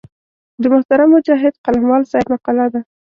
د محترم مجاهد قلموال صاحب مقاله ده.